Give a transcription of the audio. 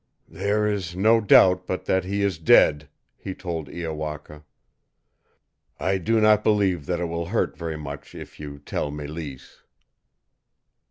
"There is no doubt but that he is dead," he told Iowaka. "I do not believe that it will hurt very much if you tell Mélisse."